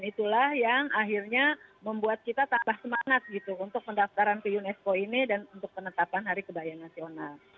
itulah yang akhirnya membuat kita tambah semangat gitu untuk pendaftaran ke unesco ini dan untuk penetapan hari kebaya nasional